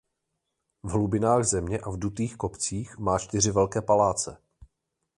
V hlubinách země a v dutých kopcích má čtyři velké paláce.